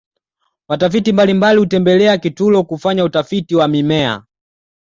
watafiti mbalimbali hutembelea kitulo kufanya utafiti wa mimea